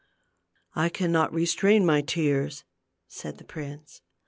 " I cannot restrain my tears," said the prince.